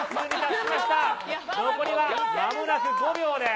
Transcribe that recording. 残りはまもなく５秒です。